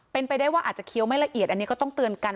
เป็นไปได้ว่าอาจจะเคี้ยวไม่ละเอียดอันนี้ก็ต้องเตือนกัน